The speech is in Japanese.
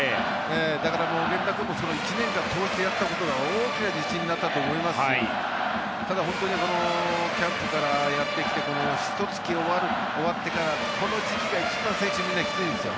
だから、源田君も１年通してやったことが大きな自信になったと思いますしただ、キャンプからやってきてひと月終わってからこの時期が一番、精神的にもきついんですよ。